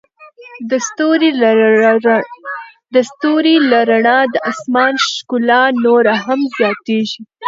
د ستوري له رڼا د آسمان ښکلا نوره هم زیاتیږي.